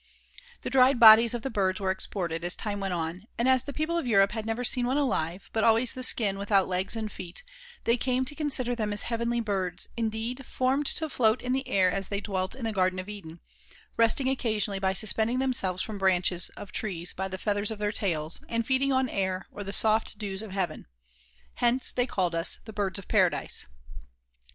The dried bodies of the birds were exported as time went on, and as the people of Europe had never seen one alive, but always the skin without legs and feet, they came to consider them as heavenly birds, indeed, formed to float in the air as they dwelt in the Garden of Eden, resting occasionally by suspending themselves from the branches of trees by the feathers of their tails, and feeding on air, or the soft dews of heaven. Hence they called us the BIRDS OF PARADISE.